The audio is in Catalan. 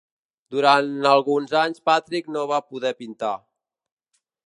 Durant alguns anys Patrick no va poder pintar.